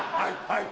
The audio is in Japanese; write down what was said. はい！